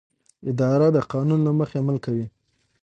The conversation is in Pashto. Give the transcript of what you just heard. اداره د قانون له مخې عمل کوي.